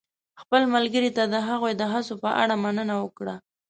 خپل ملګري ته د هغوی د هڅو په اړه مننه وکړه.